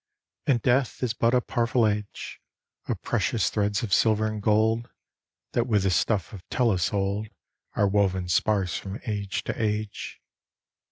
And Death is but a parfilage Of precious threads of silver and gold That with the stuff of Tellus old Are woven sparse from age to age.